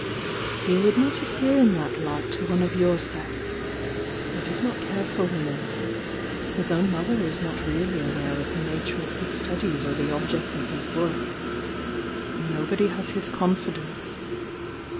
"He would not appear in thpt light to one of your sex. He does not care for wor.ien. His own mother is not really aware of the .' iture of his studies or the object of his work. Nobody has his confidence.